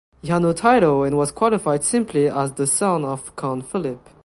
He had no title and was qualified simply as "the son of Count Philip".